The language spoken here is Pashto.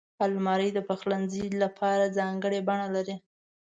الماري د پخلنځي لپاره ځانګړې بڼه لري